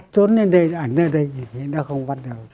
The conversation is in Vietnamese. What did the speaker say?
trốn lên đây ảnh lên đây thì nó không bắt được